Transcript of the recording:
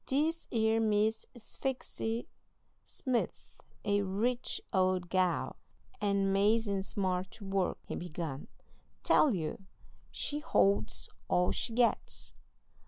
"This 'ere Miss Sphyxy Smith's a rich old gal, and 'mazin' smart to work," he began. "Tell you, she holds all she gets.